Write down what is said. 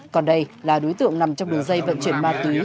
còn đây là đối tượng nằm trong đường dây vận chuyển ma túy